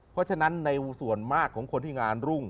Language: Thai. เพราะฉะนั้นในส่วนมากของคนที่งานรุ่ง